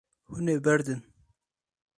Hûn ê berdin.